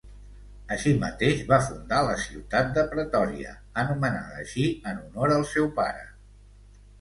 Així mateix va fundar la ciutat de Pretòria anomenada així en honor al seu pare.